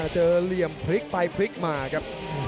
เหลี่ยมพลิกไปพลิกมาครับ